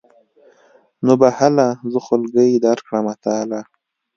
نو به هله زه خولګۍ درکړمه تاله.